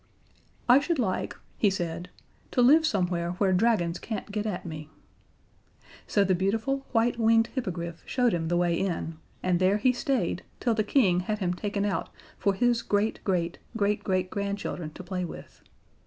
"I should like," he said, "to live somewhere where Dragons can't get at me." So the beautiful, white winged Hippogriff showed him the way in, and there he stayed till the King had him taken out for his great great great great grandchildren to play with.